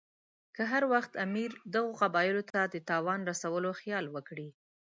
که هر وخت امیر دغو قبایلو ته د تاوان رسولو خیال وکړي.